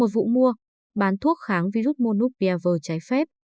một vụ mua bán thuốc kháng virus monopiav trái phép